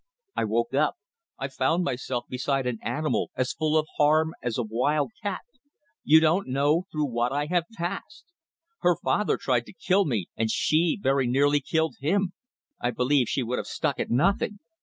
I woke up. I found myself beside an animal as full of harm as a wild cat. You don't know through what I have passed. Her father tried to kill me and she very nearly killed him. I believe she would have stuck at nothing.